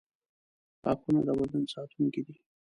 • غاښونه د بدن ساتونکي دي.